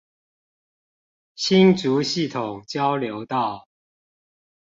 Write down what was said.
新竹系統交流道